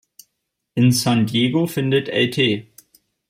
In San Diego findet Lt.